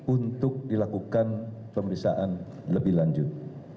untuk dilakukan pemeriksaan lebih lanjut